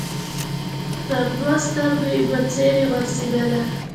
تر دوو سترګو یې بڅري غورځېدله